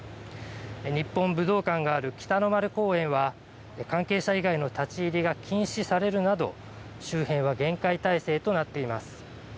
日本武道館がある北の丸公園は、関係者以外の立ち入りが禁止されるなど、周辺は厳戒態勢となっています。